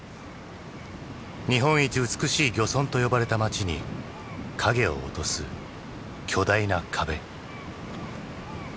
「日本一美しい漁村」と呼ばれた町に影を落とす巨大な壁。